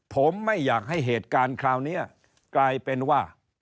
ผมไม่อยากให้เหตุการณ์คราวนี้กลายเป็นว่า